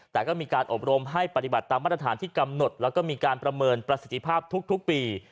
แต่ก็มีการอบรมให้ปฏิบัติตามมาตรฐานที่กำหนดแล้วก็มีการประเมินประสิทธิภาพทุกปี